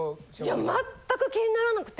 いや全く気にならなくて。